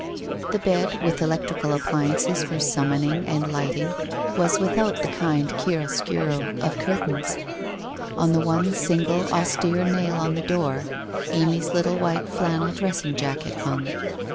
The bed, with electrical appliances for summoning and lighting, was without the kind chiaroscuro of curtains. On the one single austere nail on the door, Amy's little white flan nel dressing jacket hung.